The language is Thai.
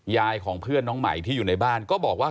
ยายของเพื่อนน้องใหม่ที่อยู่ในบ้านก็บอกว่า